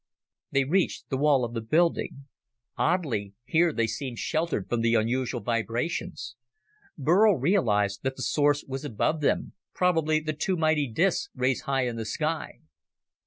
They reached the wall of the building. Oddly, here they seemed sheltered from the unusual vibrations. Burl realized that the source was above them, probably the two mighty discs raised high in the sky.